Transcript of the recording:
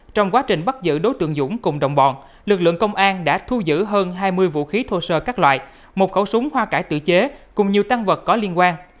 trong quá trình bắt giữ đối tượng dũng cùng đồng bọn lực lượng công an đã thu giữ hơn hai mươi vũ khí thô sơ các loại một khẩu súng hoa cải tự chế cùng nhiều tăng vật có liên quan